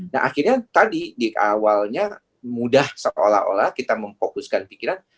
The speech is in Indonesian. nah akhirnya tadi di awalnya mudah seolah olah kita memfokuskan pikiran